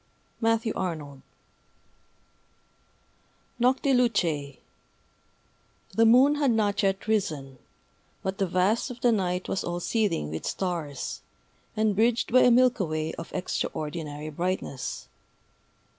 MATTHEW ARNOLD Noctilucæ [Decoration] THE moon had not yet risen; but the vast of the night was all seething with stars, and bridged by a Milky Way of extraordinary brightness.